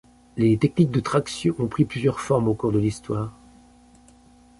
Les techniques de traction ont pris plusieurs formes au cours de l'histoire.